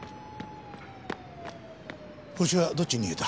ホシはどっちに逃げた？